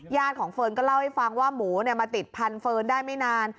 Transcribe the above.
ของเฟิร์นก็เล่าให้ฟังว่าหมูมาติดพันธเฟิร์นได้ไม่นาน